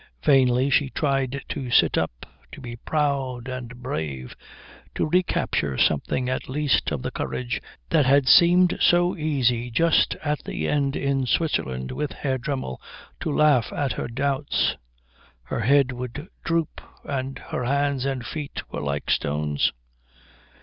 Vainly she tried to sit up, to be proud and brave, to recapture something at least of the courage that had seemed so easy just at the end in Switzerland with Herr Dremmel to laugh at her doubts. Her head would droop, and her hands and feet were like stones.